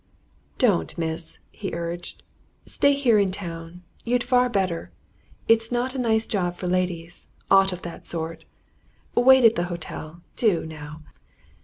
"Don't, miss!" he urged. "Stay here in town you'd far better. It's not a nice job for ladies, aught of that sort. Wait at the hotel do, now!"